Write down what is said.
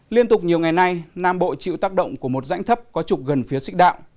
liên tục nhiều ngày nay nam bộ chịu tác động của một rãnh thấp có trục gần phía xích đạo